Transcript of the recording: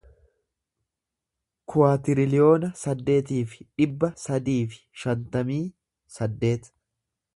kuwaatiriliyoona saddeetii fi dhibba sadii fi shantamii saddeet